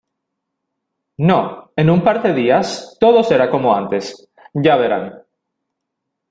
No, en un par de días , todo será como antes. Ya verán .